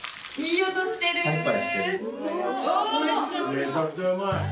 めちゃくちゃうまい。